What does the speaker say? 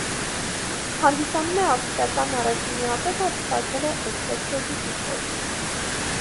Հանդիսանում է ավստրիական առաջին միապետը, ով ստացել է էրցհերցոգի տիտղոս։